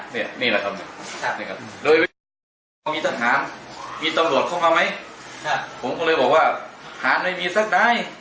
เนี่ยนี่แหละครับโดยวิธีมีตำรวจเข้ามาไหมผมก็เลยบอกว่าหันไม่มีสักใด